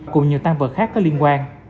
cùng nhiều tăng vật khác có liên quan